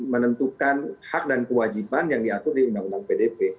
menentukan hak dan kewajiban yang diatur di undang undang pdp